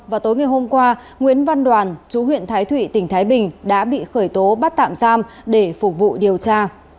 và tối ngày hôm qua nguyễn văn đoàn chú huyện thái thụy tỉnh thái bình đã bị khởi tố bắt tạm giam để phục vụ điều tra